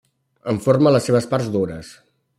En forma les seves parts dures.